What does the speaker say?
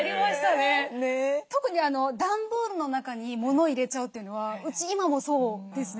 特に段ボールの中に物を入れちゃうというのはうち今もそうですね。